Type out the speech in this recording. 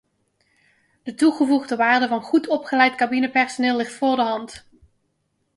De toegevoegde waarde van goed opgeleid cabinepersoneel ligt voor de hand.